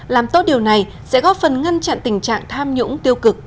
làm tốt điều này sẽ góp phần ngăn chặn tình trạng tham nhũng tiêu cực